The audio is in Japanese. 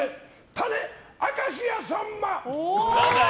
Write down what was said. タネ明かし家さんま。